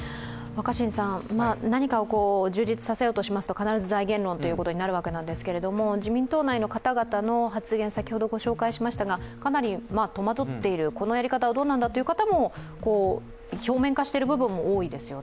何かを充実させようとしますと必ず財源論ということになるわけですけれども自民党内の方々の発言、かなり戸惑っているこのやり方はどうなんだという方も表面化してる部分も多いですよね。